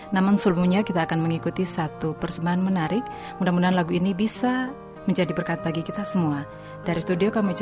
namun sebelumnya kita akan mengikuti sebuah video yang sangat menarik